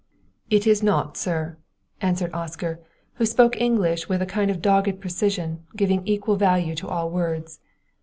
"It is not, sir," answered Oscar, who spoke English with a kind of dogged precision, giving equal value to all words.